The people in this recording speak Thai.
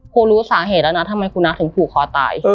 ครูรู้สาเหตุแล้วนะทำไมคุณน้าถึงผูกคอตาย